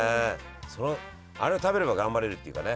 あれを食べれば頑張れるっていうかね。